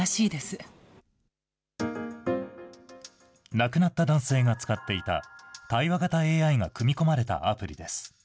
亡くなった男性が使っていた、対話型ＡＩが組み込まれたアプリです。